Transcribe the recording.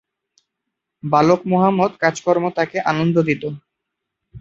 বালক মোহাম্মদ কাজকর্ম তাকে আনন্দ দিতো।